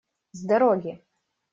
С дороги!